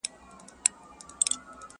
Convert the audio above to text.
نیل د قهر به یې ډوب کړي تور لښکر د فرعونانو!!